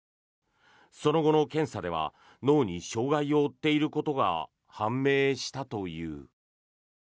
その後の検査では脳に障害を負っていることが判明したという。